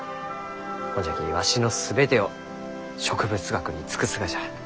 ほんじゃきわしの全てを植物学に尽くすがじゃ。